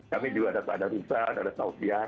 kami juga ada tada rusan ada tautian